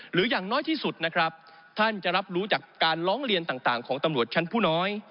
อย่างน้อยที่สุดนะครับท่านจะรับรู้จากการร้องเรียนต่างของตำรวจชั้นผู้น้อย